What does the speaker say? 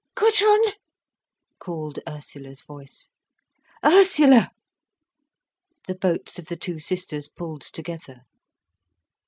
"Gudrun?" called Ursula's voice. "Ursula!" The boats of the two sisters pulled together.